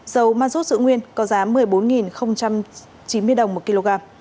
dầu mazut dự nguyên có giá một mươi bốn chín mươi đồng một kg